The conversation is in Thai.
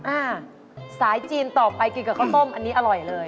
อ่าสายจีนต่อไปกินกับข้าวต้มอันนี้อร่อยเลย